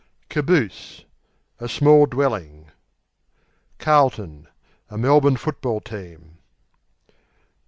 Caboose A small dwelling. Carlton A Melbourne Football Team.